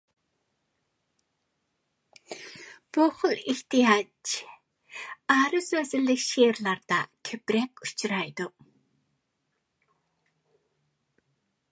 بۇ خىل ئېھتىياج ئارۇز ۋەزىنلىك شېئىرلاردا كۆپرەك ئۇچرايدۇ.